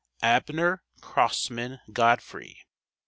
Abner Crossman Godfrey 1849.